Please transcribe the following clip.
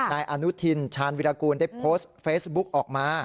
นายอนุทินชาญวิรากูลได้โพสต์เฟซบุ๊กออกมา